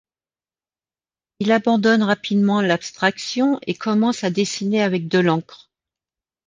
Il abandonne rapidement l’abstraction, et commence à dessiner avec de l’encre.